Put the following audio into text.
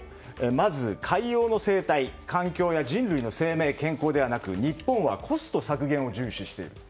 まず、海洋の生態、環境や人類の生命健康ではなく日本はコスト削減を重視している。